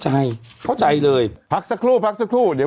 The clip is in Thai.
ช่วยขายกันเลย